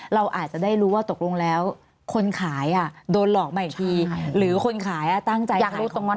เราอาจจะได้รู้ว่าตกลงแล้วคนขายอ่ะโดนหลอกมาอีกทีหรือคนขายอ่ะตั้งใจขายของเขา